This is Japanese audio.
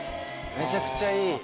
めちゃくちゃいい。